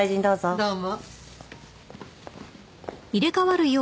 どうも。